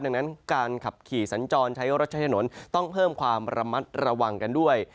ดังนั้นการขับขี่สัญจรใช้รถใช้ถนนต้องเพิ่มความระมัดระวังกันด้วย